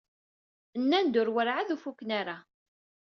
Nnan-d ur werɛad ur fuken ara.